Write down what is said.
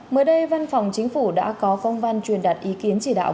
mới đây văn phòng chính phủ đã có phong văn truyền đặt ý kiến chỉ đạo